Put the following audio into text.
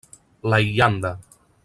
La landa.